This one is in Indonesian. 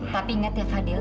tapi inget ya fadil